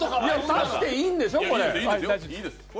足していいんでしょ、これ？